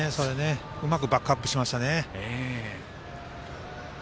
うまくバックアップしましたね。